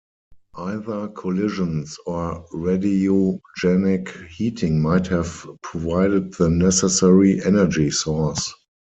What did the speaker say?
Either collisions or radiogenic heating might have provided the necessary energy source.